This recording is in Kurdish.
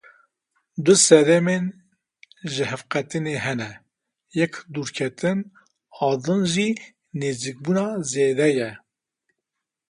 Du sedemên jihevqetînê hene yek dûrketin a din jî nêzîkbûna zêde ye.